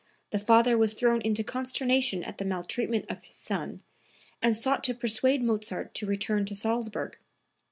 The father was thrown into consternation at the maltreatment of his son and sought to persuade Mozart to return to Salzburg.